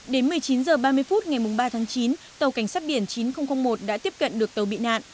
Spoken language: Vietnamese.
đến một mươi chín h ba mươi phút ngày ba tháng chín tàu cảnh sát biển chín nghìn một đã tiếp cận được tàu bị nạn